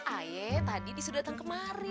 aye tadi disuruh datang kemari